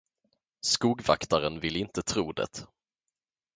Skogvaktaren ville inte tro det.